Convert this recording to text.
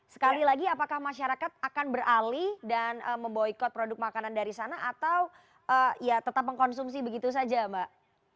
sekali lagi apakah masyarakat akan beralih dan memboykot produk makanan dari sana atau ya tetap mengkonsumsi begitu saja mbak